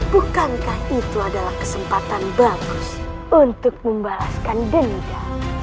bukankah itu adalah kesempatan bagus untuk membalaskan denda